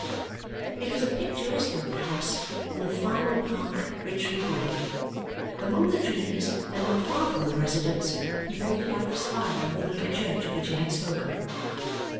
It was a picturesque old house in a fine park richly wooded. Among the trees and not far from the residence he pointed out the spire of the little church of which he had spoken.